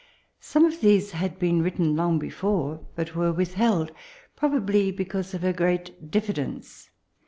Some of these had been written long before, but were with held, probably because of her great diffidence.